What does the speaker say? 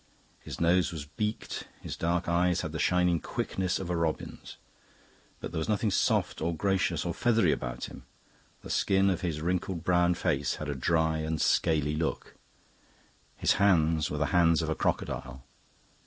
His nose was beaked, his dark eye had the shining quickness of a robin's. But there was nothing soft or gracious or feathery about him. The skin of his wrinkled brown face had a dry and scaly look; his hands were the hands of a crocodile.